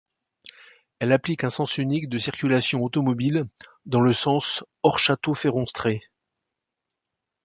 Elle applique un sens unique de circulation automobile dans le sens Hors-Château-Féronstrée.